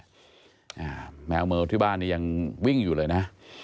อ่าแมวเมลที่บ้านนี้ยังวิ่งอยู่เลยนะ